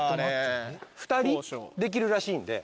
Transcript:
２人できるらしいんで。